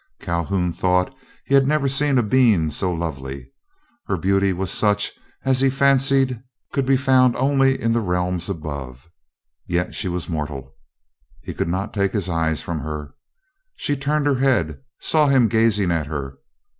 Calhoun thought he had never seen a being so lovely; her beauty was such as he fancied could be found only in the realms above, yet she was mortal. He could not take his eyes from her. She turned her head, and saw him gazing at her.